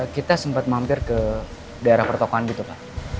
kita sempat mampir ke daerah pertokohan gitu pak